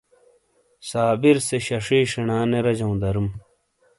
صابر سے ششی شینا نے رجوں درم۔